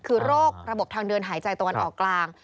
คือโรคระบบทางเดินหายใจตะวันออกกลาง